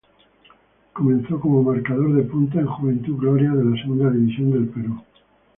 Comenzó como marcador de punta en Juventud Gloria de la Segunda División del Perú.